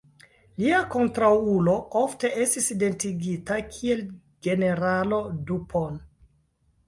Lia kontraŭulo ofte estis identigita kiel generalo Dupont.